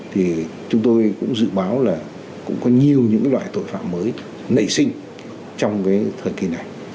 thì chúng tôi cũng dự báo là cũng có nhiều những loại tội phạm mới nảy sinh trong cái thời kỳ này